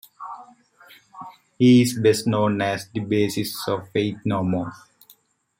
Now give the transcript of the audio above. He is best known as the bassist of Faith No More.